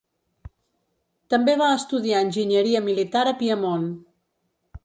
També va estudiar enginyeria militar a Piemont.